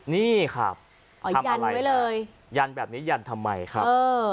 นี่ครับทำอะไรไว้เลยยันแบบนี้ยันทำไมครับ